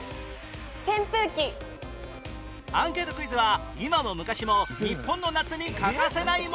アンケートクイズは今も昔も日本の夏に欠かせないもの